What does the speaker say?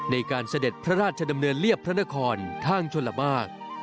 เสด็จพระราชดำเนินเรียบพระนครทางชลมาก